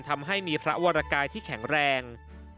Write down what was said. ทำให้มีพระวรกายที่แข็งแรง